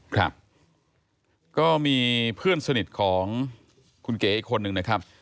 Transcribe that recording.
ครับก็มีเพื่อนสนิทของคุณเก๋อีกคนนึงนะครับ